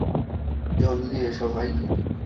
জলদি এসো, ভাই।